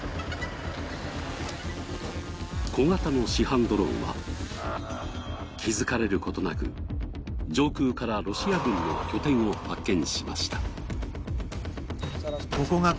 小型の市販ドローンは、気付かれることなく上空からロシア軍の拠点を発見しました。